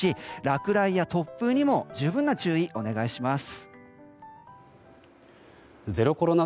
落雷や突風にも十分な注意お願いします。